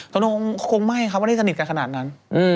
โตโน่คงไม่ค่ะว่าจะได้สนิทกันขนาดนั้น